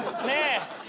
ねえ。